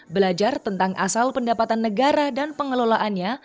belajar tentang asal pendapatan negara dan pengelolaannya